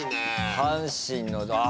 阪神のあ。